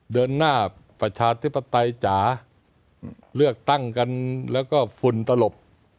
เดินหน้าประชาธิปไตยจ๋าเลือกตั้งกันแล้วก็ฝุ่นตลบ